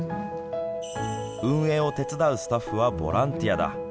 運営を手伝うスタッフはボランティアだ。